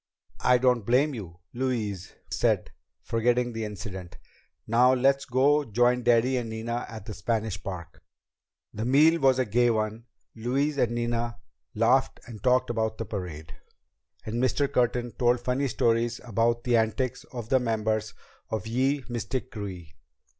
"I don't blame you," Louise said, forgetting the incident. "Now let's go join Daddy and Nina at the Spanish Park." The meal was a gay one. Louise and Nina laughed and talked about the parade, and Mr. Curtin told funny stories about the antics of the members of Ye Mystic Krewe.